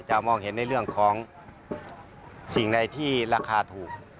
มองเห็นในเรื่องของสิ่งใดที่ราคาถูก